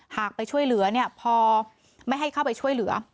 ไปช่วยเหลือเนี่ยพอไม่ให้เข้าไปช่วยเหลือ